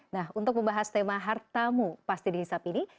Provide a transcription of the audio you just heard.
nah untuk membahas tema hartamu pasti dihisap ini